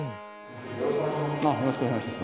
よろしくお願いします。